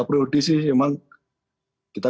prioritas sih memang kita